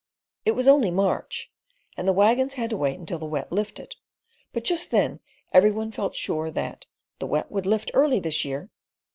It was only March, and the waggons had to wait till the Wet lifted; but just then every one felt sure that "the Wet would lift early this year."